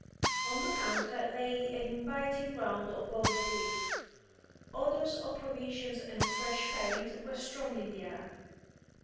On the counter lay an inviting round of boiled beef. Odours of provisions and of fresh paint were strong in the air.